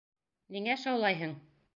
Ниңә шаулайһың?